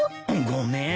ごめん。